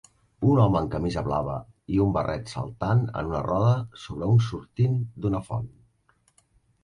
un home amb camisa blava i un barret saltant en una roda sobre un sortint d'una font.